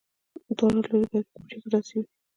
دواړه لوري باید په پریکړه راضي وي.